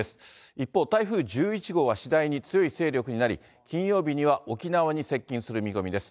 一方、台風１１号は次第に強い勢力になり、金曜日には沖縄に接近する見込みです。